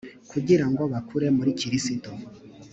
kugirango bakure muri kristo